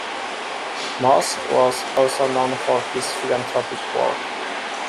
Mosse was also known for his philanthropic work.